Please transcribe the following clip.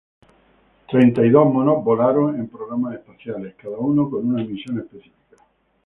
Treinta y dos monos volaron en programas espaciales; cada uno con una misión específica.